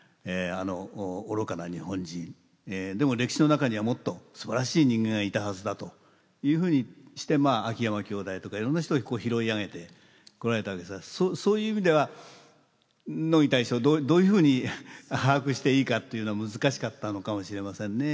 でも歴史の中にはもっとすばらしい人間がいたはずだというふうにしてまあ秋山兄弟とかいろんな人をこう拾い上げてこられたわけですがそういう意味では乃木大将をどういうふうに把握していいかっていうのは難しかったのかもしれませんね。